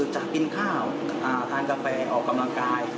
จะกินข้าวทานกาแฟออกกำลังกาย